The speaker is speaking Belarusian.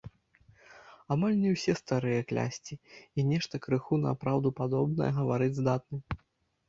Амаль не ўсе старыя клясці і нешта крыху на праўду падобнае гаварыць здатны.